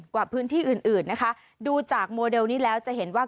กว่าพื้นที่อื่นอื่นนะคะดูจากโมเดลนี้แล้วจะเห็นว่า